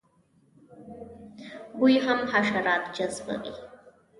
بوی هم حشرات جذبوي